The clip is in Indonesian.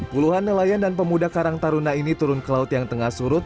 puluhan nelayan dan pemuda karang taruna ini turun ke laut yang tengah surut